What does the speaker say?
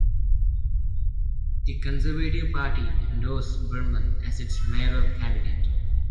The Conservative Party endorsed Burman as its mayoral candidate.